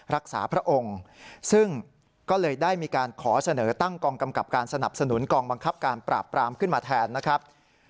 พระองค์ซึ่งก็เลยได้มีการขอเสนอตั้งกองกำกับการสนับสนุนกองบังคับการปราบปรามขึ้นมาแทนนะครับ